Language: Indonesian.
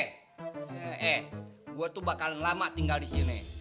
eh gue tuh bakalan lama tinggal di sini